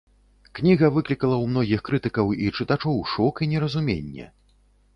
Кніга выклікала ў многіх крытыкаў і чытачоў шок і неразуменне.